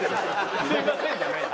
すいませんじゃないよ。